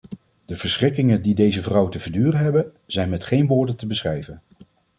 De verschrikkingen die deze vrouwen te verduren hebben, zijn met geen woorden te beschrijven.